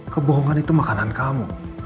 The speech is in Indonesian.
kebohongan itu makanan kamu